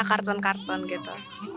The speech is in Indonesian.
iya kartun kartun gitu